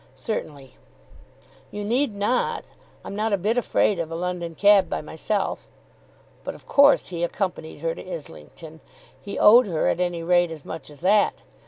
"Certainly." "You need not. I'm not a bit afraid of a London cab by myself." But of course he accompanied her to Islington. He owed her at any rate as much as that.